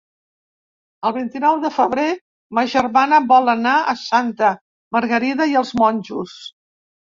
El vint-i-nou de febrer ma germana vol anar a Santa Margarida i els Monjos.